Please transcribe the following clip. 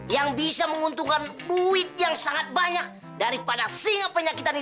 yang bisa menguntungkan duit yang sangat banyak daripada singa penyakit ini